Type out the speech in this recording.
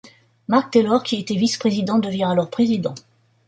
Mark Taylor, qui était vice-président, devient alors président.